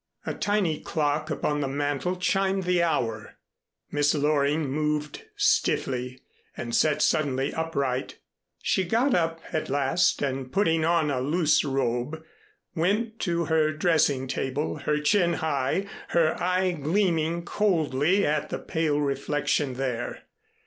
A tiny clock upon the mantle chimed the hour. Miss Loring moved stiffly, and sat suddenly upright. She got up at last and putting on a loose robe, went to her dressing table, her chin high, her eye gleaming coldly at the pale reflection there.